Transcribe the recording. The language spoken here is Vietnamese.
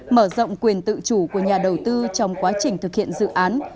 mở rộng quyền tự chủ của nhà đầu tư trong quá trình thực hiện dự án